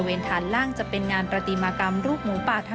ช่วยให้สามารถสัมผัสถึงความเศร้าต่อการระลึกถึงผู้ที่จากไป